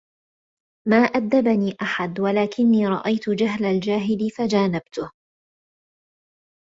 مَا أَدَّبَنِي أَحَدٌ وَلَكِنِّي رَأَيْتُ جَهْلَ الْجَاهِلِ فَجَانَبْتُهُ